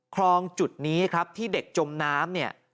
คลองจุดนี้ครับที่เด็กจมน้ำเนี่ย